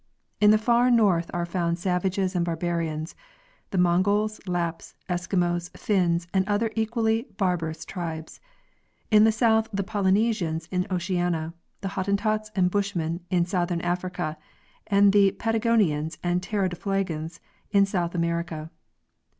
In the far north are found savages and barbarians, the Mongols, Lapps, Eskimos, Finns and other equally barbarous tribes; in the south the Polynesians in Oceanica, the Hottentots and Bushmen in south ern Africa, the Patagonians and Terra del Fuegans in South America.